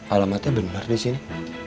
alamatnya benar disini